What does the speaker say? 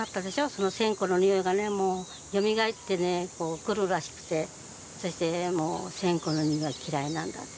その線香のにおいがよみがえってくるらしくて線香のにおいが嫌いなんだって。